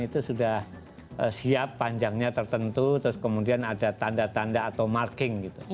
itu sudah siap panjangnya tertentu terus kemudian ada tanda tanda atau marking gitu